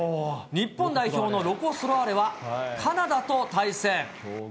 日本代表のロコ・ソラーレは、カナダと対戦。